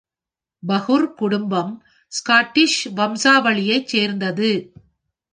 ஃபர்குர் குடும்பம் ஸ்காட்டிஷ் வம்சாவளியைச் சேர்ந்தது.